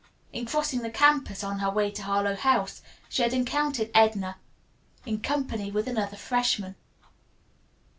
In crossing the campus on her way to Harlowe House she had encountered Edna in company with another freshman.